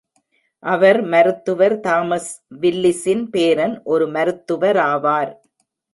அவர் மருத்துவர் தாமஸ் வில்லிஸின் பேரன், ஒரு மருத்துவராவார்.